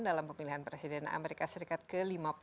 dalam pemilihan presiden amerika serikat ke lima puluh